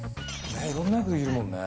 いろんな役できるもんね。